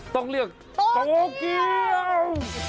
ต้องเรียกโตเกียว